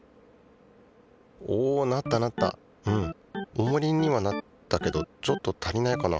おもりにはなったけどちょっと足りないかな。